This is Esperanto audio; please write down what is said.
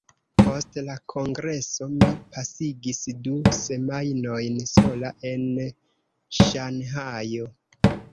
Post la Kongreso, mi pasigis du semajnojn sola en Ŝanhajo.